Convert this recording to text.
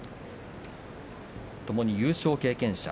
ともに優勝経験者。